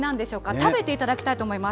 食べていただきたいと思います。